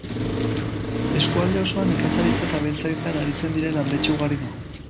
Eskualde osoan nekazaritza eta abeltzaintzan aritzen diren landetxe ugari dago.